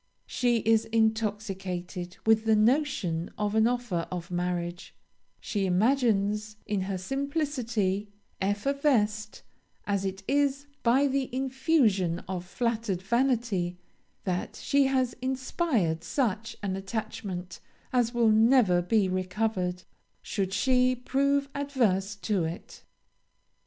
She is intoxicated with the notion of an offer of marriage; she imagines, in her simplicity, effervesced as it is by the infusion of flattered vanity, that she has inspired such an attachment as will never be recovered, should she prove adverse to it.